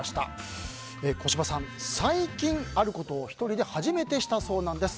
小芝さん、最近あることを１人で初めてしたそうなんです。